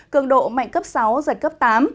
cường độ mạnh cấp sáu giật cấp tám